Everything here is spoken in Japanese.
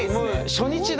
初日だ。